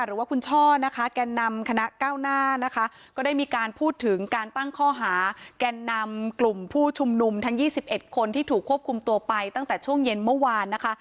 หรือว่าคุณช่อนะคะแก่นำคณะเก้าหน้านะคะก็ได้มีการพูดถึงการตั้งข้อหาแกนนำกลุ่มผู้ชุมนุมทั้ง๒๑คนที่ถูกควบคุมตัวไปตั้งแต่ช่วงเย็นเมื่อวานนะคะ